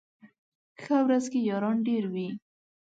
ښه ورځ کي ياران ډېر وي